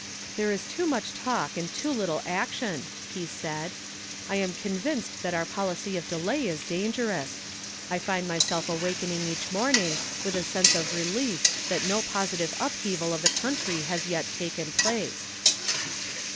" There is too much talk and too little action," he said. " I am convinced that our policy of delay is dangerous. I find myself awakening each morn ing with a sense of relief that no positive upheav ^d of the country has yet taken place."